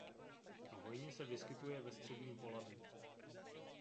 Hojně se vyskytuje ve středním Polabí.